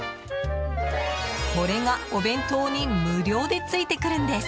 これがお弁当に無料でついてくるんです。